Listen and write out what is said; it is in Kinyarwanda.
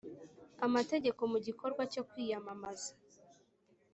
amategeko mu gikorwa cyo kwiyamamaza